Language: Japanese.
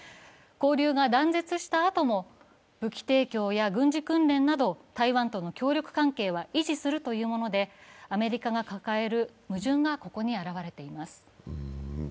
交流が断絶したあとも武器提供や軍事訓練など台湾との協力関係は維持するというものでアメリカが抱える矛盾が、ここに現れています。